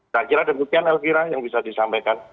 akhirnya ada buktian elvira yang bisa disampaikan